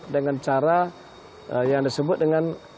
dengan cara yang disebut dengan